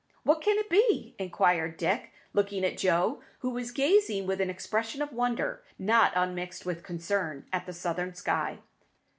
"What can it be?" inquired Dick, looking at Joe, who was gazing with an expression of wonder, not unmixed with concern, at the southern sky.